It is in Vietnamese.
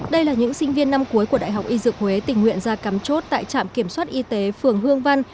đây là những sinh viên năm cuối của đại học y dược huế tình nguyện ra cắm chốt tại trạm kiểm soát y tế phường hương văn